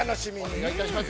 ◆お願いいたします。